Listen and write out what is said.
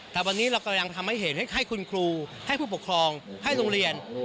แต่วันนี้เรากำลังทำให้เห็นให้คุณครูให้ผู้ปกครองให้โรงเรียน